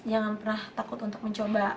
jangan pernah takut untuk mencoba